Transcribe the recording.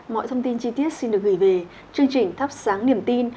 mọi thông tin chi tiết xin được gửi về chương trình thắp sáng niềm tin